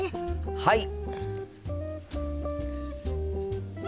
はい！